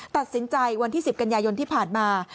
ตัดสินใจวันที่๑๐กันยายนที่ผ่านมา